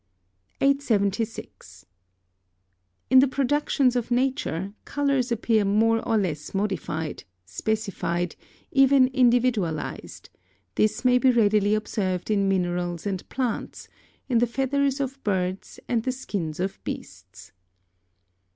876. In the productions of nature, colours appear more or less modified, specified, even individualised: this may be readily observed in minerals and plants, in the feathers of birds and the skins of beasts.